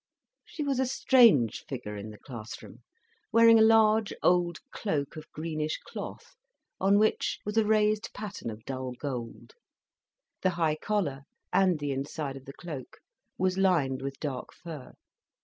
She was a strange figure in the class room, wearing a large, old cloak of greenish cloth, on which was a raised pattern of dull gold. The high collar, and the inside of the cloak, was lined with dark fur.